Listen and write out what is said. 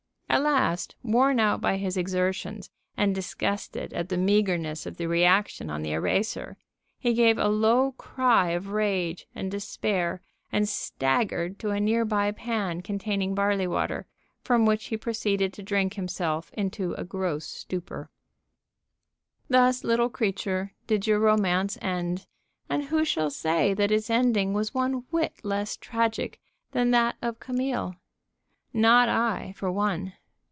At last, worn out by his exertions, and disgusted at the meagerness of the reaction on the eraser, he gave a low cry of rage and despair and staggered to a nearby pan containing barley water, from which he proceeded to drink himself into a gross stupor. Thus, little creature, did your romance end, and who shall say that its ending was one whit less tragic than that of Camille? Not I, for one....